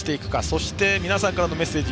そして皆さんからのメッセージ。